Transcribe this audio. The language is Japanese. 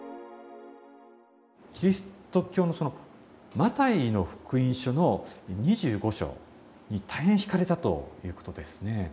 キリスト教の「マタイの福音書」の２５章に大変ひかれたということですね。